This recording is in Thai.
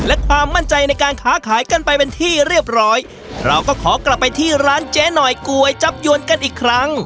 และความมั่นใจในการค้าขายกันไปเป็นที่เรียบร้อยเราก็ขอกลับไปที่ร้านเจ๊หน่อยก๋วยจับยวนกันอีกครั้ง